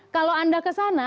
kalau anda ke sana